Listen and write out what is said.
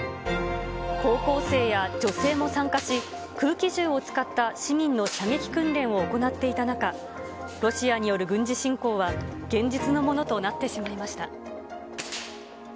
高校生や女性も参加し、空気銃を使った市民の射撃訓練を行っていた中、ロシアによる軍事侵攻は、現実のものとなってしまいました。